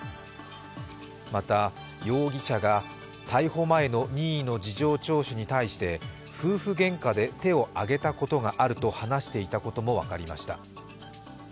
また、容疑者が逮捕前の任意の事情聴取に対して、夫婦げんかで手を上げたことがあると話していたことも分かりました。